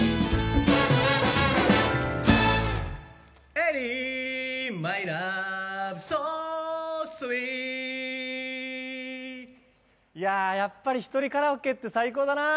エリーマイラブソースイートいややっぱり一人カラオケって最高だな。